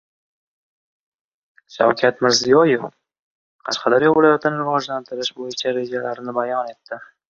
Shavkat Mirziyoyev Qashqadaryo viloyatini rivojlantirish bo‘yicha rejalarini bayon etdi